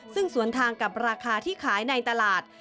ซึ่งสวนทางกับราคาที่ขายในตลาด